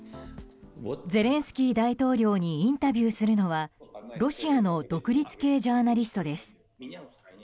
ゼレンスキー大統領にインタビューするのはロシアの独立系ジャーナリストです。